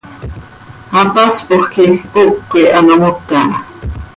Hapaspoj quih hocö quih ano moca ha.